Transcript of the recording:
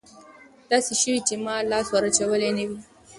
داسې شوي چې ما لاس ور اچولى نه وي.